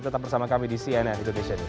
tetap bersama kami di cnn indonesia news